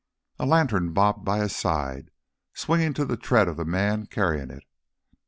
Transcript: A lantern bobbed by his side, swinging to the tread of the man carrying it.